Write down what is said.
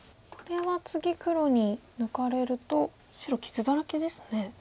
これは次黒に抜かれると白傷だらけですね。